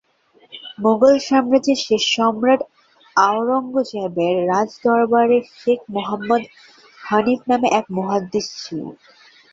মুঘল সাম্রাজ্যের শেষ সম্রাট আওরঙ্গজেবের রাজদরবারে শেখ মুহাম্মদ হানিফ নামে এক মুহাদ্দিস ছিলেন।